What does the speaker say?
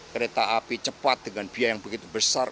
kereta api cepat dengan biaya yang begitu besar